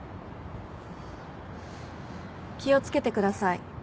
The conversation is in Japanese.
気を付けてください。